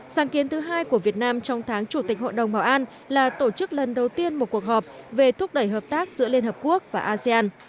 sáng kiến thứ hai của việt nam trong tháng chủ tịch hội đồng bảo an là tổ chức lần đầu tiên một cuộc họp về thúc đẩy hợp tác giữa liên hợp quốc và asean